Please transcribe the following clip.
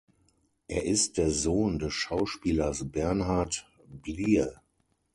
Er ist der Sohn des Schauspielers Bernard Blier.